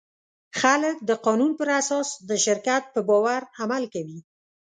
خلک د قانون پر اساس د شرکت په باور عمل کوي.